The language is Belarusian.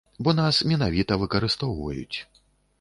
Бо нас менавіта выкарыстоўваюць.